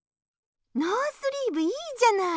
ノースリーブいいじゃない！